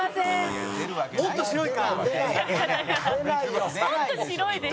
「もっと白い」で。